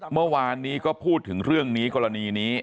เมื่อวานนี้ก็พูดถึงเรื่องนี้กรณีนี้